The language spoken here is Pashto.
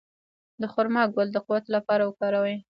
د خرما ګل د قوت لپاره وکاروئ